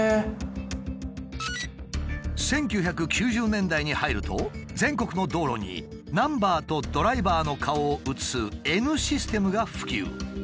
１９９０年代に入ると全国の道路にナンバーとドライバーの顔を写す「Ｎシステム」が普及。